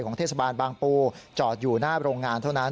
เทศบาลบางปูจอดอยู่หน้าโรงงานเท่านั้น